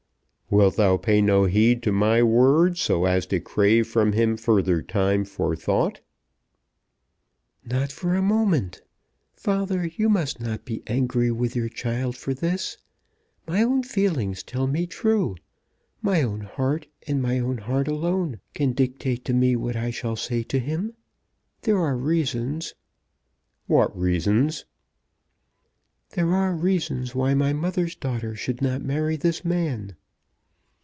"Wilt thou pay no heed to my words, so as to crave from him further time for thought?" "Not a moment. Father, you must not be angry with your child for this. My own feelings tell me true. My own heart, and my own heart alone, can dictate to me what I shall say to him. There are reasons " "What reasons?" "There are reasons why my mother's daughter should not marry this man."